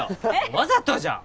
わざとじゃん！